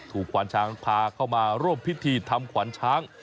ขวานช้างพาเข้ามาร่วมพิธีทำขวัญช้าง